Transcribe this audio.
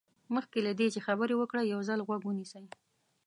مخکې له دې چې خبرې وکړئ یو ځل غوږ ونیسئ.